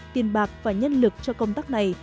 tiền bạc và nhân lực cho công tác này